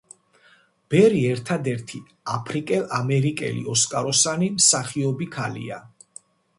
ბერი ერთადერთი აფრიკელ-ამერიკელი ოსკაროსანი მსახიობი ქალია.